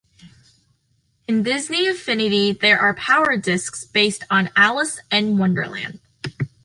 In "Disney Infinity" there are power discs based on Alice in Wonderland.